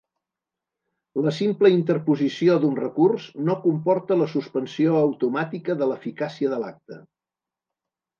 La simple interposició d'un recurs no comporta la suspensió automàtica de l'eficàcia de l'acte.